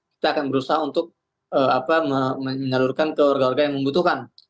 kita akan berusaha untuk menyalurkan ke warga warga yang membutuhkan